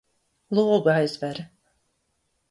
Logu aizver!